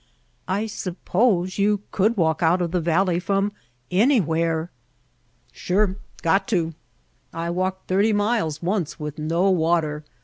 "I suppose you could walk out of the valley from anywhere?" "Sure. Got to. I walked thirty miles once without no water.